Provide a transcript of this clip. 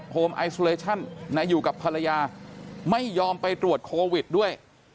ไอซูเลชั่นอยู่กับภรรยาไม่ยอมไปตรวจโควิดด้วย